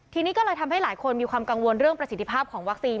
ทีนี้ก็เลยทำให้หลายคนมีความกังวลเรื่องประสิทธิภาพของวัคซีน